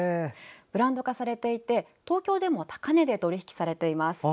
ブランド化されていて東京でも高値で取引されています。